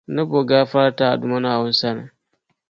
N-ni bo gaafara n-ti a n Duuma Naawuni sani.